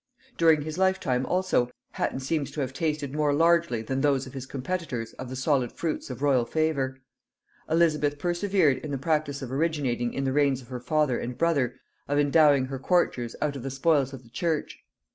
During his lifetime, also, Hatton seems to have tasted more largely than most of his competitors of the solid fruits of royal favor. Elizabeth persevered in the practice originating in the reigns of her father and brother, of endowing her courtiers out of the spoils of the church.